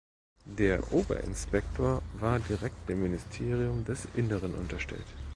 Der Oberinspektor war direkt dem Ministerium des Innern unterstellt.